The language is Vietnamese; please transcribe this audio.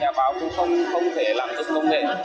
nhà báo cũng không thể làm chức công nghệ